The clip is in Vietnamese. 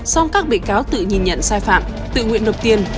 song các bị cáo tự nhìn nhận sai phạm tự nguyện nộp tiền